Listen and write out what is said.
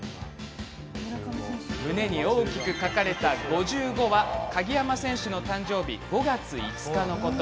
胸に大きく書かれた５５は鍵山選手の誕生日５月５日のこと。